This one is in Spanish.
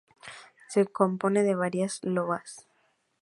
Se compone de varias loas.